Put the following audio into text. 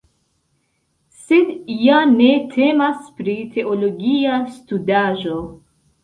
Sed ja ne temas pri teologia studaĵo.